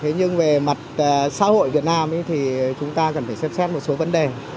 thế nhưng về mặt xã hội việt nam thì chúng ta cần phải xem xét một số vấn đề